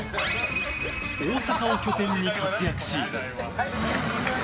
大阪を拠点に活躍し。